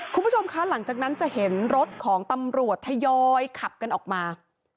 คุณผู้ชมคะหลังจากนั้นจะเห็นรถของตำรวจทยอยขับกันออกมา